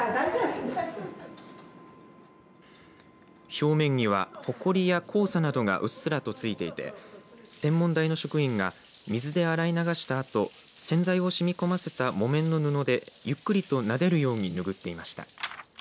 表面にはほこりや黄砂などがうっすらと付いていて天文台の職員が水で洗い流したあと洗剤をしみこませた木綿の布でゆっくりとなでるように拭っていました。